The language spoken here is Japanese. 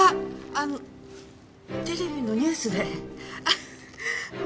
あのテレビのニュースで。